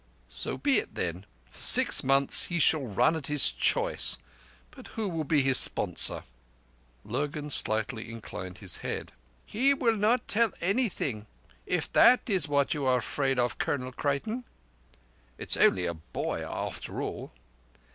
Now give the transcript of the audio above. "So be it, then. For six months he shall run at his choice. But who will be his sponsor?" Lurgan slightly inclined his head. "He will not tell anything, if that is what you are afraid of, Colonel Creighton." "It's only a boy, after all."